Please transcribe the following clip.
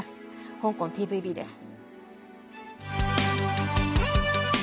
香港ＴＶＢです。